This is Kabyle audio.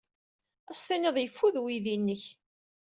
Ad as-tiniḍ yeffud weydi-nnek.